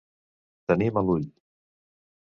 Tenir mal ull.